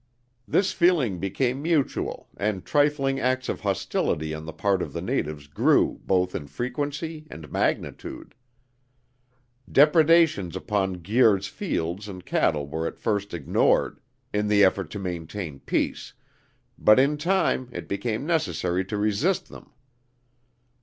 This feeling became mutual, and trifling acts of hostility on the part of the natives grew both in frequency and magnitude. Depredations upon Guir's fields and cattle were at first ignored, in the effort to maintain peace, but in time it became necessary to resist them.